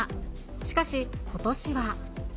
しかし、ことしは。